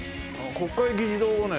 国会議事堂をね。